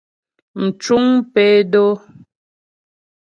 Mcuŋ pé dó.